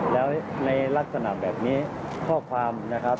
แล้วในลักษณะแบบนี้ข้อความนะครับ